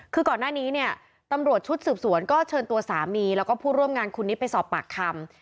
คือก่อนหน้านี้เนี่ยตำรวจชุดสืบสวนก็เชิญตัวสามีแล้วก็ผู้ร่วมงานคนนี้ไปสอบปากคำ